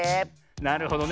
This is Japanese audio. なるほどね。